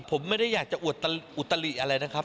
ผมไม่ได้อยากจะอวดอุตลิอะไรนะครับ